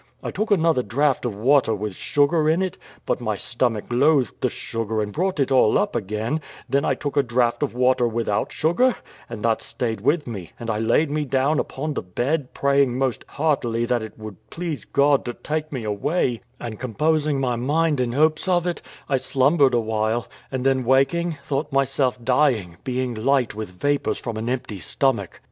I took another draught of water with sugar in it; but my stomach loathed the sugar and brought it all up again; then I took a draught of water without sugar, and that stayed with me; and I laid me down upon the bed, praying most heartily that it would please God to take me away; and composing my mind in hopes of it, I slumbered a while, and then waking, thought myself dying, being light with vapours from an empty stomach.